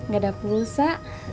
gak ada pulsa